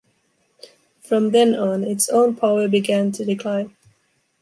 From then on, its own power began to decline.